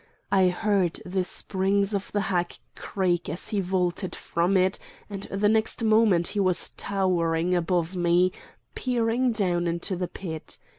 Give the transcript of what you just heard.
I heard the springs of the hack creak as he vaulted from it, and the next moment he was towering above me, peering down into the pit.